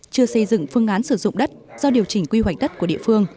chưa xây dựng phương án sử dụng đất do điều chỉnh quy hoạch đất của địa phương